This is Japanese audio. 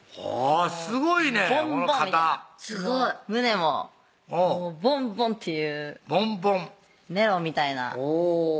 すごいね肩胸もボンボンっていうボンボンメロンみたいなおぉ